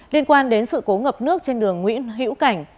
liên quan đến sự cố ngập nước trên đường nguyễn hữu cảnh